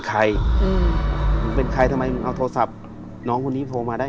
ใครอืมมึงเป็นใครทำไมมึงเอาโทรศัพท์น้องคนนี้โทรมาได้